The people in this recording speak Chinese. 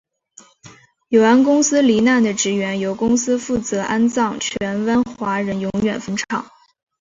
永安公司罹难的职员由公司负责安葬荃湾华人永远坟场。